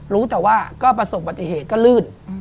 รู้แต่ว่าก็ประสบปฏิเหตุก็ลื่น